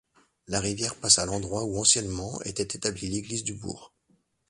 La rivière passe à l'endroit où anciennement était établie l'église du bourg.